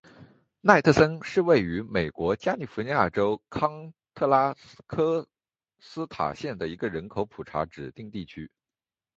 奈特森是位于美国加利福尼亚州康特拉科斯塔县的一个人口普查指定地区。